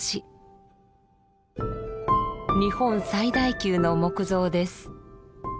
日本最大級の木造です。